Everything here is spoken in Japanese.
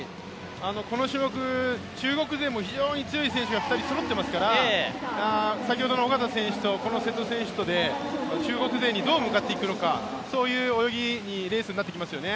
この種目、中国勢も非常に強い選手が２人そろってますから先ほどの小方とこの瀬戸選手で中国勢にどう向かっていくのか、そういう泳ぎのレースになってきますよね。